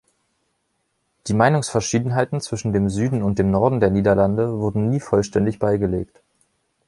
Die Meinungsverschiedenheiten zwischen dem Süden und dem Norden der Niederlande wurden nie vollständig beigelegt.